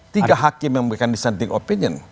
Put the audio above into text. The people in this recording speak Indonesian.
tiga hakim yang memberikan dissenting opinion